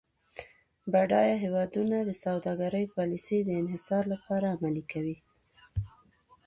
بډایه هیوادونه د سوداګرۍ پالیسي د انحصار لپاره عملي کوي.